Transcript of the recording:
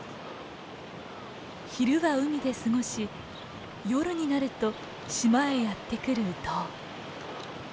昼は海で過ごし夜になると島へやって来るウトウ。